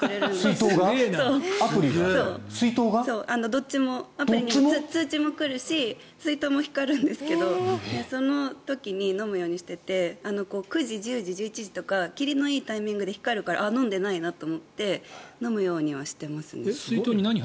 どっちもアプリに通知も来るし水筒も光るんですけどその時に飲むようにしてて９時、１０時、１１時とか切りのいいタイミングで光るから飲んでないなと思って飲むようにはしてますね。